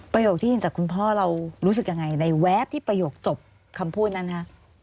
ที่เห็นจากคุณพ่อเรารู้สึกยังไงในแวบที่ประโยคจบคำพูดนั้นฮะ